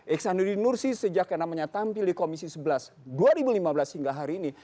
iksanuddin nursi sejak yang namanya tampil di komisi sebelas dua ribu lima belas hingga hari ini